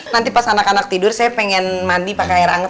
nanti pas anak anak tidur saya pengen mandi pakai air anget